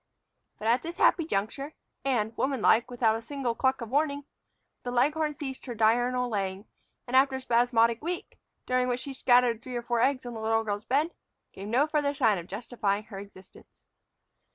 But at this happy juncture, and, womanlike, without a single cluck of warning, the leghorn ceased her diurnal laying, and, after a spasmodic week, during which she scattered three or four eggs on the little girl's bed, gave no further sign of justifying her existence.